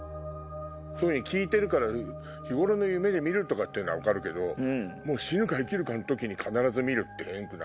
そういうふうに聞いてるから日頃の夢で見るなら分かるけど死ぬか生きるかの時に必ず見るって変くない？